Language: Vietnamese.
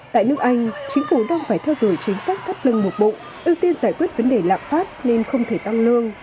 tại nước anh chính phủ đang phải theo đuổi chính sách thắt lưng một bộ ưu tiên giải quyết vấn đề lạm phát nên không thể tăng lương